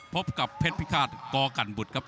พบกับเพชรพิฆาตกกันบุตรครับ